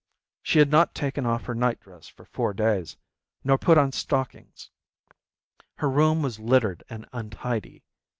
She had not taken off her night dress for four days, nor put on stockings. Her room was littered and untidy.